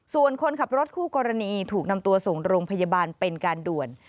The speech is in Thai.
ส่วนคนขับรถคู่กรณีถูกนำตัวส่งโรงพยาบาลเป็นการด่วน